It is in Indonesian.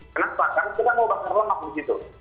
kenapa karena kita mau bakar lemak di situ